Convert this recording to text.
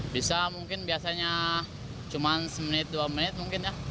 bisa mungkin biasanya cuma semenit dua menit mungkin ya